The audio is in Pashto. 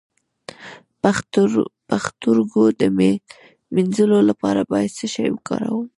د پښتورګو د مینځلو لپاره باید څه شی وکاروم؟